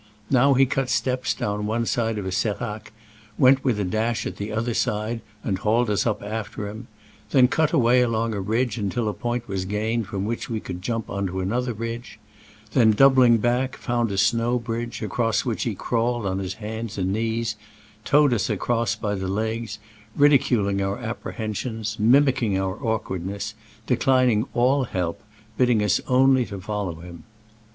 Now he cut steps down one side of a serac, went with a dash at the other side, and hauled us up after him ; then cut away along a ridge until a point was gained from which we could jump on to another ridge; then, doubling back, found a snow bridge, across which he crawled on hands and knees, towed us across by the legs, ridiculing our apprehensions, mimicking our awkwardness, declining all help, bidding us only to follow him.